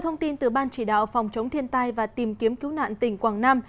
trong bản chỉ đạo phòng chống thiên tai và tìm kiếm cứu nạn tỉnh quảng nam